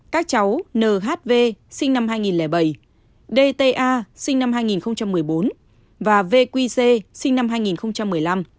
các cháu nhv sinh năm hai nghìn bảy dta sinh năm hai nghìn một mươi bốn và vq sinh năm hai nghìn một mươi năm